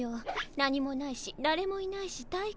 何もないしだれもいないし退屈。